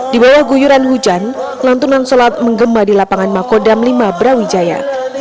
di bawah guyuran hujan lantunan solat menggema di lapangan makodam lima brawijaya